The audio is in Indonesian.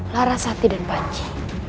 lara sati dan panji